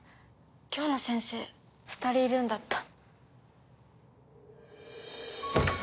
今日の先生２人いるんだった。